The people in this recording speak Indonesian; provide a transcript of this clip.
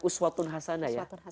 uswatun hasanah ya